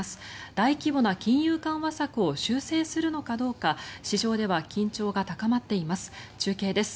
大規模な金融緩和策を修正するのかどうか市場では緊張が高まっています。